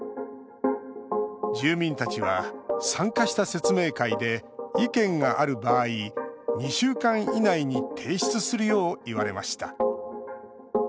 住民たちは参加した説明会で意見がある場合２週間以内に提出するよう言われました。